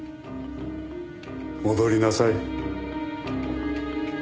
戻りなさい。